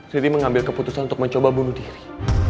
siti mengambil keputusan untuk mencoba bunuh diri